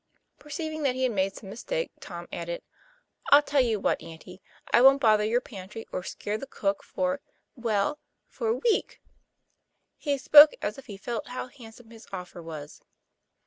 Perceiving that he had made some mistake, Tom added: "I'll tell you what, Auntie, I won't bother your pantry, or scare the cook for well, for a week." He spoke as if he felt how handsome his offer was.